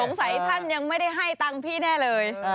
ท่านยังไม่ได้ให้ตังค์พี่แน่เลย